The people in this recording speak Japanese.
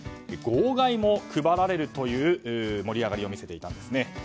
号外も配られるという盛り上がりを見せていたんです。